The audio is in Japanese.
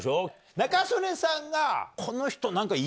仲宗根さんが。